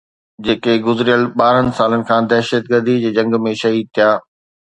جيڪي گذريل ٻارهن سالن کان دهشتگرديءَ جي جنگ ۾ شهيد ٿيا